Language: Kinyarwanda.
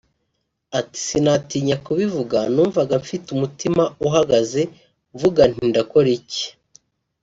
Ati “Sinatinya kubivuga numvaga mfite umutima uhagaze mvuga nti ndakora iki